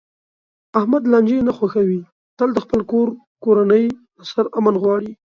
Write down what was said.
احمد لانجې نه خوښوي، تل د خپل کور کورنۍ د سر امن غواړي.